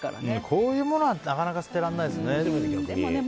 こういうものはなかなか捨てられないですね。